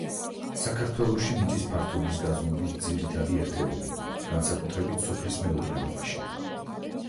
საქართველოში მიწის ფართობის გაზომვის ძირითადი ერთეული, განსაკუთრებით სოფლის მეურნეობაში.